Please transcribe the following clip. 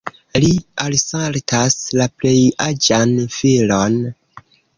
Li alsaltas la plej aĝan filon.